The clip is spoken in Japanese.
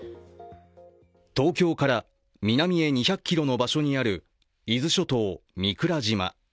東京から南へ２００ｋｍの場所にある伊豆諸島・御蔵島。